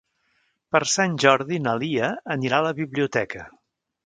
Per Sant Jordi na Lia anirà a la biblioteca.